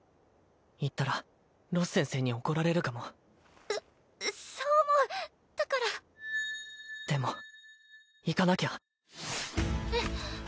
行ったらロス先生に怒られるかもそそう思うだからでも行かなきゃえっ？